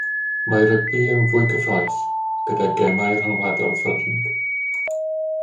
Mae rygbi yn fwy cyffrous, gyda gemau rhyngwladol ffyrnig